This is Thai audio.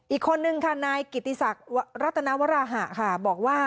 อีกคนนึงค่ะนายกิติศักดิ์รัตนวราหะค่ะบอกว่า